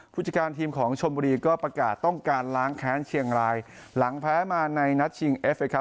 ผู้จัดการทีมของชมบุรีก็ประกาศต้องการล้างแค้นเชียงรายหลังแพ้มาในนัดชิงเอฟเคครับ